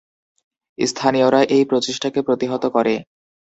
স্থানীয়রা এই প্রচেষ্টাকে প্রতিহত করে।